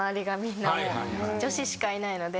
女子しかいないので。